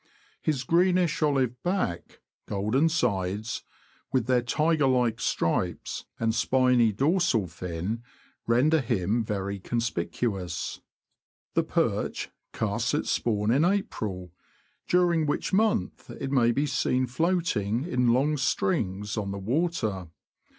His greenish olive back, golden sides, with their tiger like stripes, and spiny dorsal fin^ render him very conspicuous. The perch casts its The Perch. spawn in April, during which month it may be seen' floating in long strings on the water.